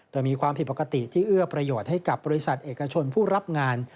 แต่มีความผิดปกติที่เอื้อประโยชน์ให้กับบริษัทเอกชนผู้รับงาน